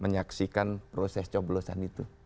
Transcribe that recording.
menyaksikan proses coblosan itu